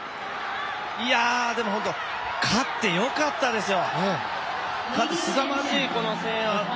いや、もう、勝ってよかったですよ。